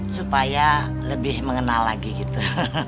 supaya lebih mengenal lagi gitu